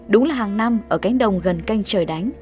đúng là hàng năm ở cánh đồng gần canh trời đánh